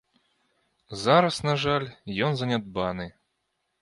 Зараз, на жаль, ён занядбаны.